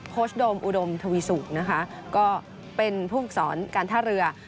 ชโดมอุดมทวีสุกนะคะก็เป็นผู้ฝึกสอนการท่าเรือ